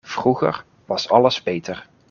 Vroeger was alles beter.